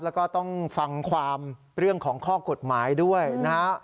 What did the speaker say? แล้วก็ต้องฟังความเรื่องของข้อกฎหมายด้วยนะฮะ